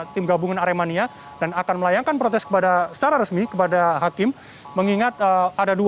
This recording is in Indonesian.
tim gabungan aremania dan akan melayangkan protes kepada secara resmi kepada hakim mengingat ada dua